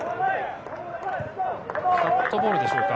カットボールでしょうか？